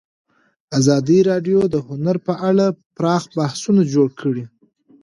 ازادي راډیو د هنر په اړه پراخ بحثونه جوړ کړي.